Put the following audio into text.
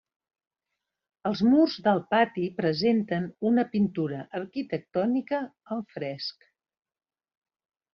Els murs del pati presenten una pintura arquitectònica al fresc.